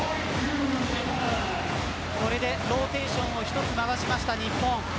これでローテーションを一つ回した日本。